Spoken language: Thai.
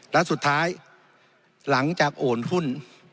และสุดท้ายหลังจากโอนหุ้น